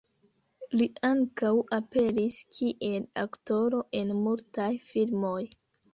Li ankaŭ aperis kiel aktoro en multaj filmoj.